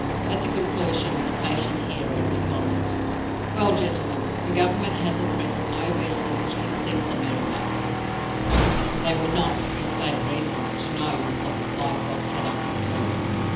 At the conclusion, the patient hearer responded: "Well, gentlemen, the government has at present no vessel which can sink this Merrimac. (They were not, for state reasons, to know what the sly fox had up his sleeve.)